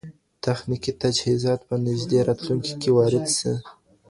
تخنيکي تجهيزات به په نږدې راتلونکي کي وارد سي.